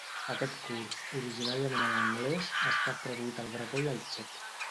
Aquest curs, originalment en anglès, ha estat traduït al bretó i al txec.